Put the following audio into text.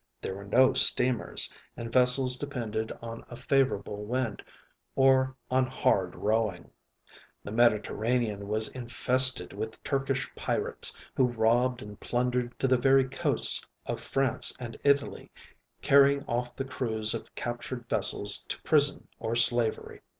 There were no steamers, and vessels depended on a favorable wind or on hard rowing. The Mediterranean was infested with Turkish pirates, who robbed and plundered to the very coasts of France and Italy, carrying off the crews of captured vessels to prison or slavery.